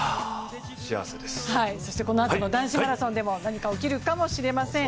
このあとの男子マラソンでも何かが起きるかもしれません。